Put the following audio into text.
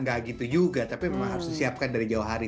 nggak gitu juga tapi memang harus disiapkan dari jauh hari